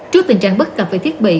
trước tình trạng bất cập về thiết bị